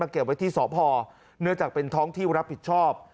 เก็บไว้ที่สพเนื่องจากเป็นท้องที่รับผิดชอบ